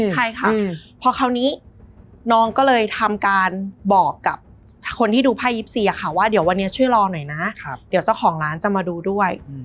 ใช่ค่ะพอคราวนี้น้องก็เลยทำการบอกกับคนที่ดูไพ่๒๔ค่ะว่าเดี๋ยววันนี้ช่วยรอหน่อยนะเดี๋ยวเจ้าของร้านจะมาดูด้วย